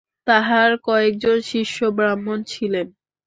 তাঁহার কয়েকজন শিষ্য ব্রাহ্মণ ছিলেন।